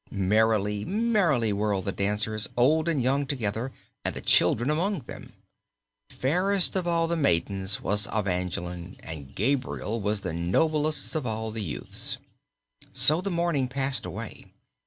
Merrily, merrily whirled the dancers, old and young together, and the children among them. Fairest of all the maidens was Evangeline, and Gabriel was the noblest of all the youths. So the morning passed away.